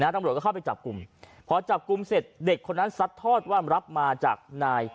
ตำรวจเข้าไปจับกุมเพราะจับกุมเสร็จเด็กคนนั้นซัดทอดว่ารับมาจากวีรสัก